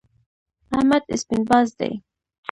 احمد سپين باز دی.